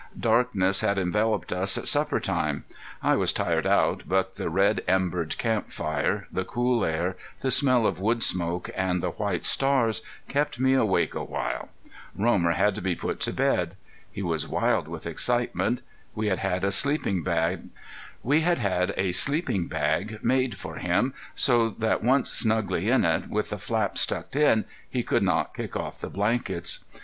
Darkness had enveloped us at supper time. I was tired out, but the red embered camp fire, the cool air, the smell of wood smoke, and the white stars kept me awake awhile. Romer had to be put to bed. He was wild with excitement. We had had a sleeping bag made for him so that once snugly in it, with the flaps buckled he could not kick off the blankets.